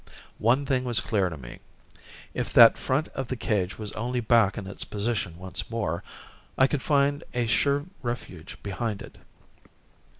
One thing was clear to me. If that front of the cage was only back in its position once more, I could find a sure refuge behind it.